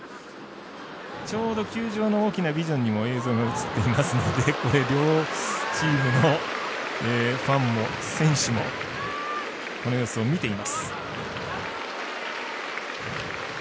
ちょうど、球場の大きなビジョンにも映っていますので両チームのファンも選手もこの様子を見ています。